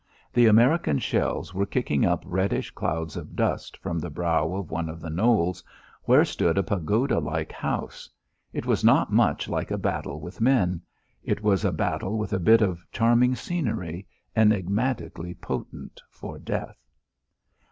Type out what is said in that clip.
The American shells were kicking up reddish clouds of dust from the brow of one of the knolls, where stood a pagoda like house. It was not much like a battle with men; it was a battle with a bit of charming scenery, enigmatically potent for death.